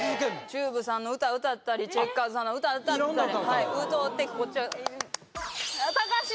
ＴＵＢＥさんの歌歌ったりチェッカーズさんの歌歌ったり歌うてこっちはたかし！